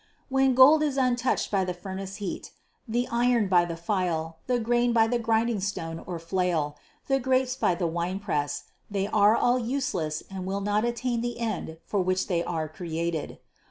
674. When gold is untouched by the furnace heat, the iron by the file, the grain by the grinding stone or flail, the grapes by the winepress, they are all useless and will not attain the end for which they are created.